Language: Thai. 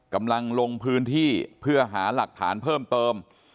กำลังลงพื้นที่เพื่อหาหลักฐานเพิ่มเติม